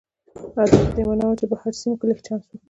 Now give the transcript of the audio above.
دا په دې معنا و چې په بهر سیمو کې لږ چانس و.